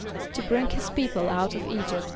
=To bring his people out of [=E]´[.